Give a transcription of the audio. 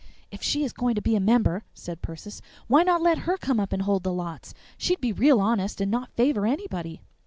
"If she is going to be a member," said Persis, "why not let her come up and hold the lots? She'd be real honest and not favor anybody."